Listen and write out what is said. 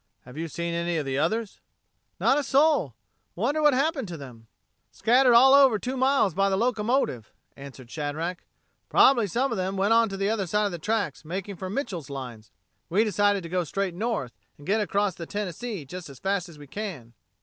Have you seen any of the others!" "Not a soul. Wonder what happened to them?" "Scattered all over two miles by the locomotive," answered Shadrack. "Probably some of them went on the other side of the tracks, making for Mitchel's lines. We decided to go straight north and get across the Tennessee just as fast as we can."